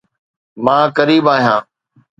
مان فريب آهيان